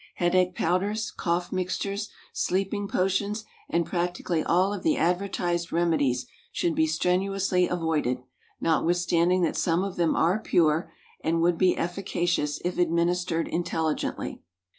Headache powders, cough mixtures, sleeping potions, and practically all of the advertised remedies should be strenuously avoided, notwithstanding that some of them are pure and would be efficacious if administered intelligently.